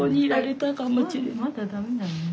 ・まだだめなのね。